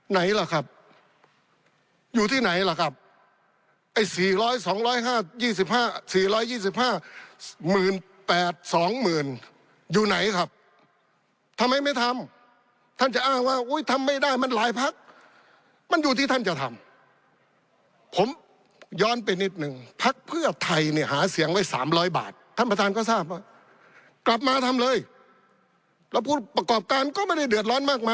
ไหนล่ะครับอยู่ที่ไหนล่ะครับไอ้สี่ร้อยสองร้อยห้ายี่สิบห้าสี่ร้อยยี่สิบห้าหมื่นแปดสองหมื่นอยู่ไหนครับทำไมไม่ทำท่านจะอ้างว่าอุ้ยทำไม่ได้มันหลายพักมันอยู่ที่ท่านจะทำผมย้อนไปนิดหนึ่งพักเพื่อไทยเนี่ยหาเสียงไว้สามร้อยบาทท่านประทานก็ทราบว่ากลับมาทำเลยแล้วผู้ประกอบการก็ไม่ได้เดือด